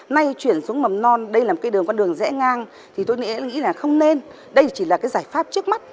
nay chuyển xuống mầm non đây là một đường dễ ngang thì tôi nghĩ là không nên đây chỉ là giải pháp trước mắt